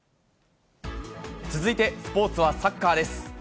続いてスポーツはサッカーです。